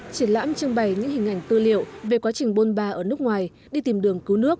triển lãm trưng bày những hình ảnh tư liệu về quá trình bôn ba ở nước ngoài đi tìm đường cứu nước